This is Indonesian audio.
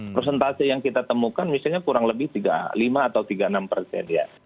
persentase yang kita temukan misalnya kurang lebih lima atau tiga puluh enam persen ya